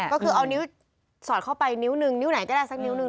ก็คือเอานิ้วสอดเข้าไปนิ้วนึงนิ้วไหนก็ได้สักนิ้วหนึ่ง